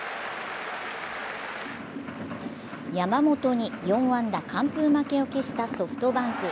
山本に４安打完封負けを喫したソフトバンク。